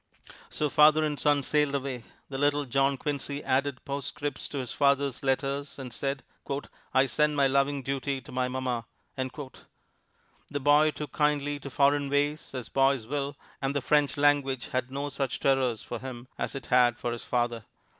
So father and son sailed away; and little John Quincy added postscripts to his father's letters and said, "I send my loving duty to my mamma." The boy took kindly to foreign ways, as boys will, and the French language had no such terrors for him as it had for his father.